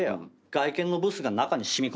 外見のブスが中に染み込んでんだ。